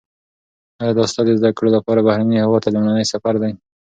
ایا دا ستا د زده کړو لپاره بهرني هیواد ته لومړنی سفر دی؟